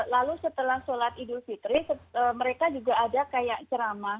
lalu setelah sholat idul fitri mereka juga ada kayak ceramah